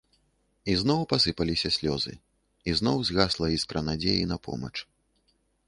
Ізноў пасыпаліся слёзы, ізноў згасла іскра надзеі на помач.